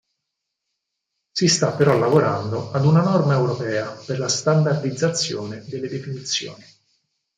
Si sta però lavorando a una norma europea per la standardizzazione delle definizioni.